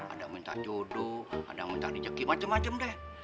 ada minta jodoh ada minta dijeki macem macem deh